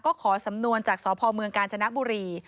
ก็ขอสำนวนจากสพเมืองกาญจนบุรี